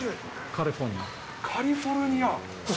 カリフォルニア？